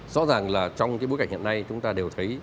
rõ ràng là trong cái bối cảnh hiện nay chúng ta đều thấy